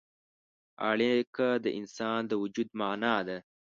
اړیکه د انسان د وجود معنا ده.